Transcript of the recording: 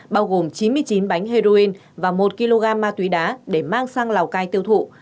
bao gồm chín mươi chín bánh heroin và một kg ma túy đá để mang sang lào cai tiêu thụ